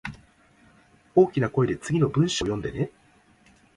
大きな声で次の文章を読んでね